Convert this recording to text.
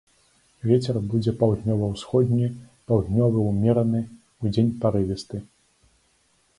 Вецер будзе паўднёва-ўсходні, паўднёвы ўмераны, удзень парывісты.